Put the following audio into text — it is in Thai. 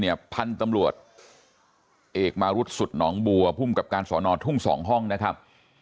พันธุ์ตำรวจเอกมารุษสุดหนองบัวภูมิกับการสอนอทุ่งสองห้องนะครับ